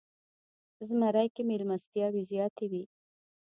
زمری کې میلمستیاوې زیاتې وي.